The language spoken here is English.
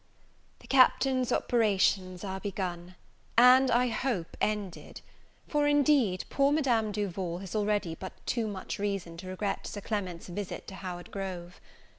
THE Captain's operations are begun, and, I hope, ended; for, indeed, poor Madame Duval has already but too much reason to regret Sir Clement's visit to Howard Grove.